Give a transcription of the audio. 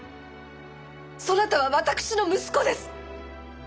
そなたは私の息子です！